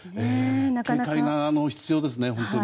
警戒が必要ですね、本当に。